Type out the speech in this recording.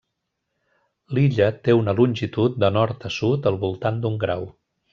L'illa té una longitud de nord a sud al voltant d'un grau.